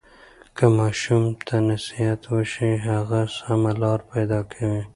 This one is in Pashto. که ماشوم ته نصیحت وشي، هغه سمه لاره پیدا کوي.